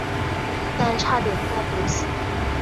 但差点被他毒死。